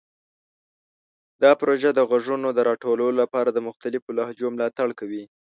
دا پروژه د غږونو د راټولولو لپاره د مختلفو لهجو ملاتړ کوي.